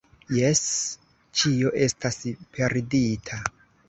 Jes, ĉio estas perdita.